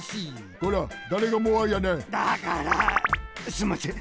すんません。